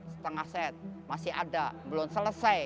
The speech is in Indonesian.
setengah set masih ada belum selesai